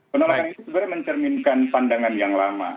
penolakan itu sebenarnya mencerminkan pandangan yang lama